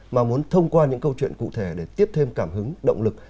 mà muốn thông qua những câu chuyện cụ thể để tiếp thêm cảm hứng động lực